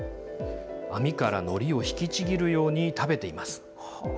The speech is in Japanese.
網からのりを引きちぎるように食べています。